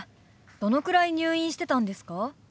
どのくらい入院してたんですか？